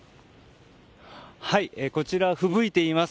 こちらふぶいています。